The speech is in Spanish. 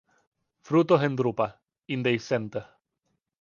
Frutos en drupas, indehiscentes.